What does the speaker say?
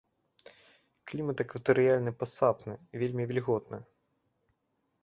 Клімат экватарыяльны пасатны, вельмі вільготны.